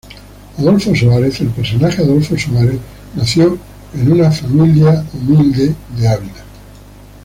Adolfo Suárez, el personaje Adolfo Suárez nació en una familia humilde de Ávila.